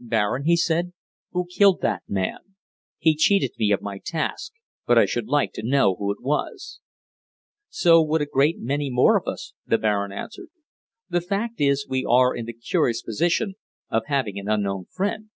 "Baron," he said, "who killed that man? He cheated me of my task, but I should like to know who it was." "So would a great many more of us," the Baron answered. "The fact is, we are in the curious position of having an unknown friend."